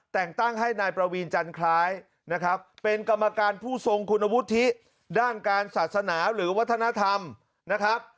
แต่งตั้งให้นายประวีนจันทรายนะครับเป็นกรรมการผู้ทรงคุณวุฒิด้านการศาสนาหรือวัฒนธรรมนะครับ